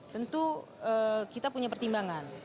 tentu kita punya pertimbangan